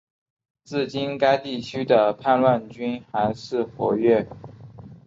至今该地区的叛乱军还是活跃。